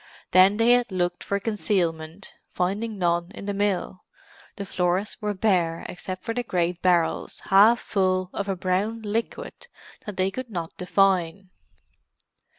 Then they had looked for concealment, finding none in the mill—the floors were bare, except for the great barrels, half full of a brown liquid that they could not define.